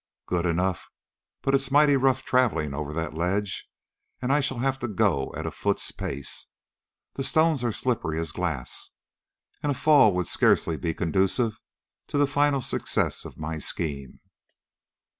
"Good enough; but it's mighty rough travelling over that ledge, and I shall have to go at a foot's pace. The stones are slippery as glass, and a fall would scarcely be conducive to the final success of my scheme."